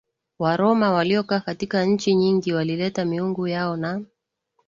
Waroma waliokaa katika nchi nyingi walileta miungu yao na